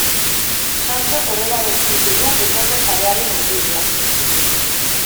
Santxok horrela definitu du Bilboko sarearen helburua.